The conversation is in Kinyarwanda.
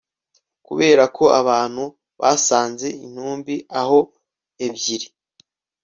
kubera ko abantu basanze intumbi aho ebyiri